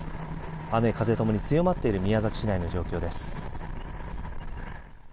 雨風ともに強まっている宮崎市内の状況です。